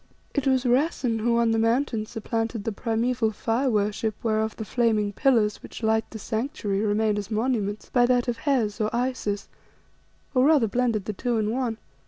"It was Rassen who on the Mountain supplanted the primeval fire worship whereof the flaming pillars which light its Sanctuary remain as monuments, by that of Hes, or Isis, or rather blended the two in one.